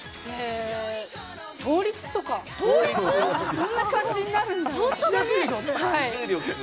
どんな感じになるんだろうって。